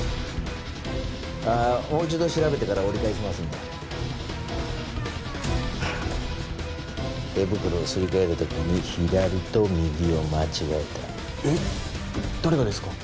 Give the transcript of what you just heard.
ああもう一度調べてから折り返しますんで手袋をすり替える時に左と右を間違えたえっ誰がですか？